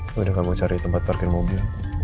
udah kamu cari tempat parkir mobil